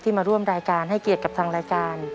มาร่วมรายการให้เกียรติกับทางรายการ